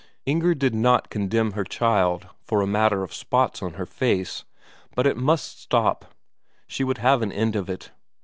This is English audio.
Inger did not condemn her child for a matter of spots 'on her face; but it must stop, she would have an end of it.